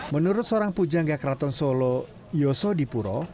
menurut seorang pujangga keraton solo yoso dipuro